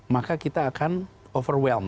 maka kita akan overwhelm